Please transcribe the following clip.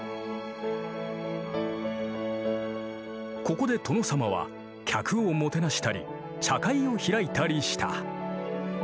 ここで殿様は客をもてなしたり茶会を開いたりした。